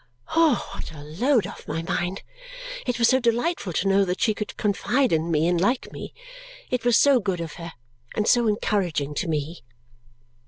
What a load off my mind! It was so delightful to know that she could confide in me and like me! It was so good of her, and so encouraging to me!